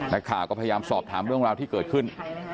นักข่าวก็พยายามสอบถามเรื่องราวที่เกิดขึ้น